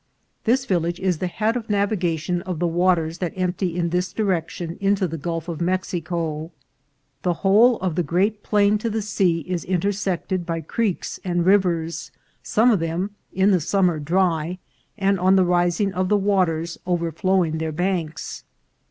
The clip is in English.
This village is the head of navigation of the waters that empty in this direction into the Gulf of Mex ico. The whole of the great plain to the sea is intersect ed by creeks and rivers, some of them in the summer dry, and on the rising of the waters overflowing their banks.